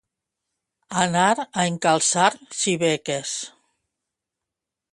Anar a encalçar xibeques.